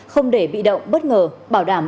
không để bị động bất ngờ bảo đảm